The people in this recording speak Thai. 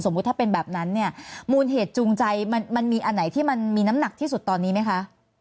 ถ้าเป็นแบบนั้นเนี่ยมูลเหตุจูงใจมันมีอันไหนที่มันมีน้ำหนักที่สุดตอนนี้ไหมคะ